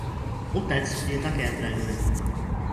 Otec ji také trénuje.